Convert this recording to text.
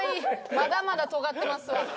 まだまだとがってますわ。